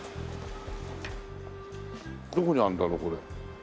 どこにあるんだろうこれ。